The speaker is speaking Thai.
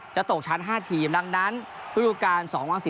จะตกชั้น๕ทีมดังนั้นฤดูการ๒๐๑๘